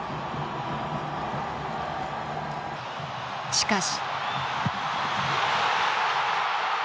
しかし。